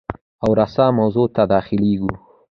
او راساً موضوع ته داخلیږو.